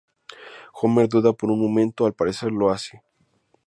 Homer duda por un momento y al parecer lo hace.